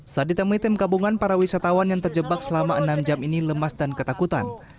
saat ditemui tim gabungan para wisatawan yang terjebak selama enam jam ini lemas dan ketakutan